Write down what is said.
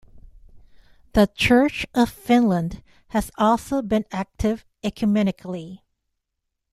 The Church of Finland has also been active ecumenically.